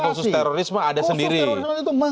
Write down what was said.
tapi khusus terorisme ada sendiri